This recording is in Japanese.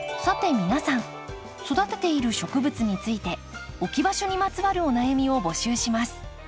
さて皆さん育てている植物について置き場所にまつわるお悩みを募集します。